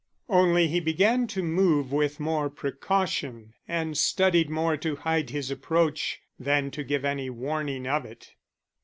Only he began to move with more precaution and studied more to hide his approach than to give any warning of it.